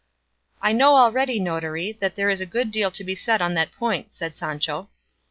"I know already, notary, that there is a good deal to be said on that point," said Sancho.